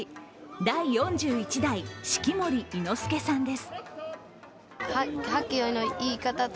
第４１代式守伊之助さんです。